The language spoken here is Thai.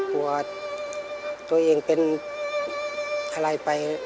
กลัวตัวเองเป็นอะไรไป